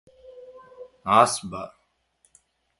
It is one of the oldest open-air museums in Norway.